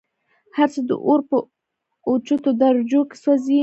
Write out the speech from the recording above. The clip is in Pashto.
هرڅه د اور په اوچتو درجو كي سوزي